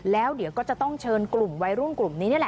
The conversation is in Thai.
แล้วเดี๋ยวก็จะต้องเชิญกลุ่มใยร่วมกลุ่มนี้